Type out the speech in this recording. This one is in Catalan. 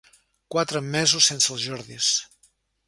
Quatre mesos sense els 'Jordis'.